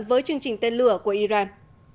với chương trình tên lửa của iran